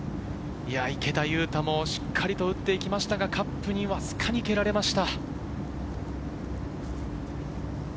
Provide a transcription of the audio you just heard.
池田勇太もしっかり打って行きましたが、カップにわずかに蹴られました。